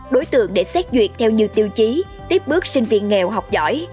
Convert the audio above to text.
đối tượng để xét duyệt theo nhiều tiêu chí tiếp bước sinh viên nghèo học giỏi